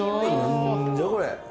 何じゃこれ？